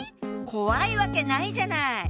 怖いわけないじゃない！